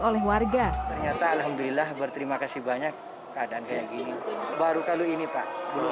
oleh warga ternyata alhamdulillah berterima kasih banyak keadaan kayak gini baru kali ini pak belum